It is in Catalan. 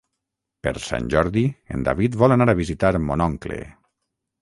Per Sant Jordi en David vol anar a visitar mon oncle.